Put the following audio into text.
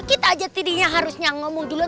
kita aja tadinya harusnya ngomong duluan